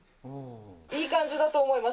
いい感じだと思います。